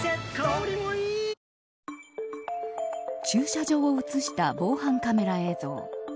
駐車場を映した防犯カメラ映像。